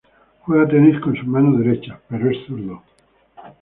Juega tenis con su mano derecha, pero es zurdo.